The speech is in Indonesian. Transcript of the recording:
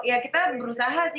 ya kita berusaha sih